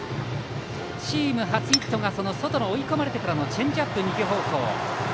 チーム初ヒットが外の追い込まれてからのチェンジアップを右方向へ。